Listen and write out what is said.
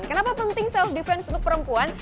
kenapa penting self defense untuk perempuan